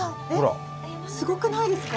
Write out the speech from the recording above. すごくないですか？